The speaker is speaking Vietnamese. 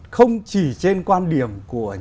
không chỉ trên quan điểm của tài sản công